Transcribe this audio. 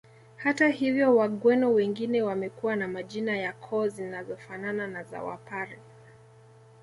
Hata hivyo wagweno wengine wamekuwa na majina ya koo zinazofanana na za wapare